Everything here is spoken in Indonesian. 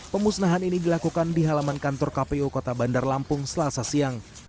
pemusnahan ini dilakukan di halaman kantor kpu kota bandar lampung selasa siang